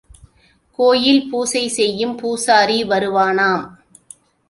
கோயில் பூசை செய்யும் பூசாரி வருவானாம்.